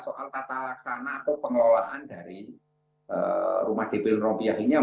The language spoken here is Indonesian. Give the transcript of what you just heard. soal tata laksana atau pengelolaan dari rumah dp rupiah ini